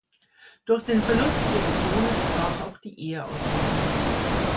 Durch den Verlust ihres Sohnes brach auch die Ehe auseinander.